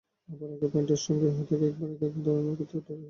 আবার একই প্যান্টের সঙ্গেই হয়তো একেকবার একেক ধরনের কুর্তা পরে ফেলেন।